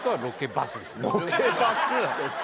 ロケバス！